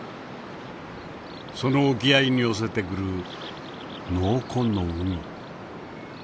その沖合に寄せてくる濃紺の海。